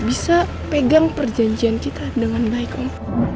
bisa pegang perjanjian kita dengan baik om